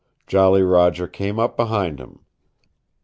Jolly Roger came up behind him.